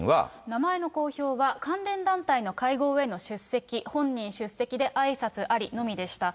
名前の公表は、関連団体の会合への出席、本人出席であいさつありのみでした。